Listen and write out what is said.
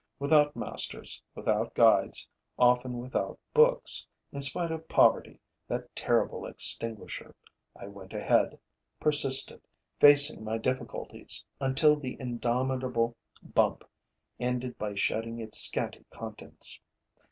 Without masters, without guides, often without books, in spite of poverty, that terrible extinguisher, I went ahead, persisted, facing my difficulties, until the indomitable bump ended by shedding its scanty contents.